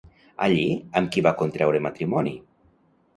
Allí, amb qui va contreure matrimoni?